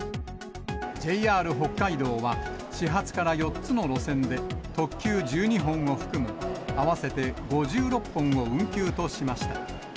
ＪＲ北海道は、始発から４つの路線で、特急１２本を含む合わせて５６本を運休としました。